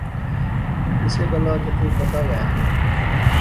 اسے گلاہ کہ تو پتہ وہے